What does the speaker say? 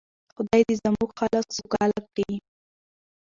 خدای دې زموږ خلک سوکاله کړي.